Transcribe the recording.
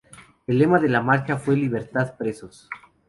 El lema de la marcha fue "Libertad presos.